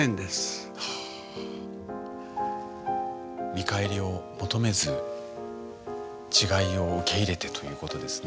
見返りを求めず違いを受け入れてということですね。